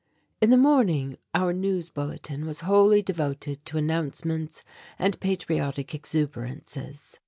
In the morning our news bulletin was wholly devoted to announcements and patriotic exuberances.